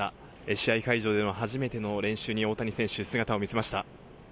試合会場での初めての練習に、大谷選手、姿を見せました。